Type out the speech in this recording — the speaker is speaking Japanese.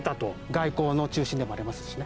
外交の中心でもありますしね。